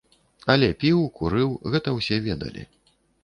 Але піў, курыў, гэта ўсе ведалі.